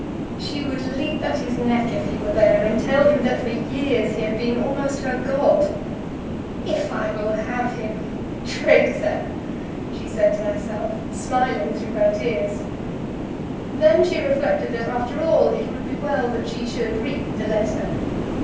She would leap at his neck if he were there, and tell him that for years he had been almost her god. And of course he knew it. "If I will have him! Traitor!" she said to herself, smiling through her tears. Then she reflected that after all it would be well that she should read the letter.